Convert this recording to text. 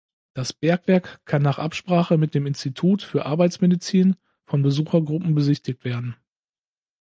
Das Bergwerk kann nach Absprache mit dem Institut für Arbeitsmedizin von Besuchergruppen besichtigt werden.